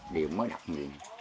điều mới đặc biệt